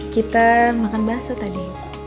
kita makan bakso tadi